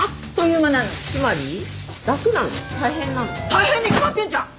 大変に決まってんじゃん！